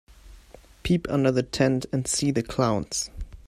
Peep under the tent and see the clowns.